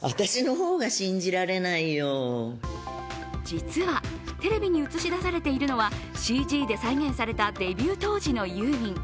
実は、テレビに映し出されているのはＣＧで再現されたデビュー当時のユーミン。